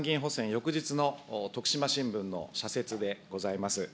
翌日の徳島新聞の社説でございます。